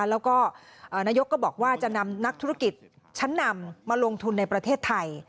แล้วก็นายกก็บอกว่าจะนำนักธุรกิจชั้นนำมาลงทุนในประเทศไทย